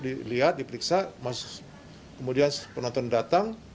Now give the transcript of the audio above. dilihat diperiksa kemudian penonton datang